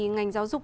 ngành giáo dục